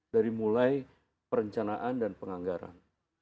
dari mulai perencanaan dan penganggaran